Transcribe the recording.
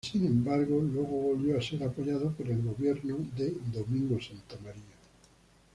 Sin embargo, luego volvió a ser apoyado por el gobierno de Domingo Santa María.